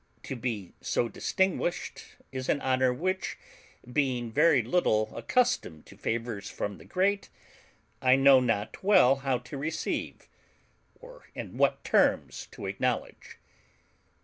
To be so distinguished is an honor which, being very little accustomed to favours from the great, I know not well how to receive, or in what terms to acknowledge.